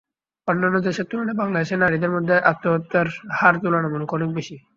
অন্যান্য দেশের তুলনায় বাংলাদেশে নারীদের মধ্যে আত্মহত্যার হার তুলনামূলক অনেক বেশি।